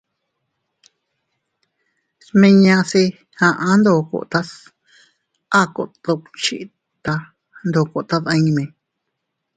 Smise a aʼa ndokotas a kot duckhita ndoko tadimi.